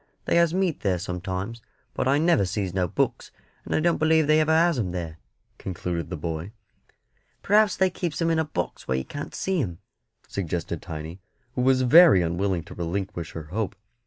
They has meat there sometimes; but I never sees no books, and I don't believe they ever has 'em there," concluded the boy. "Perhaps they keeps 'em in a box where you can't see 'em," suggested Tiny, who was very unwilling to relinquish her hope.